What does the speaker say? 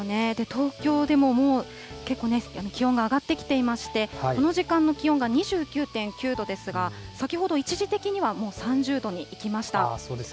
東京でももう結構、気温が上がってきていまして、この時間の気温が２９．９度ですが、先ほど一時的には、もう３０度にいきました。